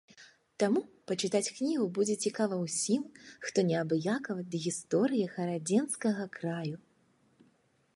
Таму пачытаць кнігу будзе цікава ўсім, хто неабыякавы да гісторыі гарадзенскага краю.